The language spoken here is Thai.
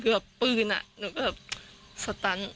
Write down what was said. คือแบบปืนหนูก็แบบสตันต์